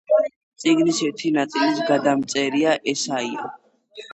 წიგნის ერთი ნაწილის გადამწერია ესაია.